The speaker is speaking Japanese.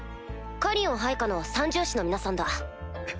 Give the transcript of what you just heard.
カリオン配下の三獣士の皆さんだ。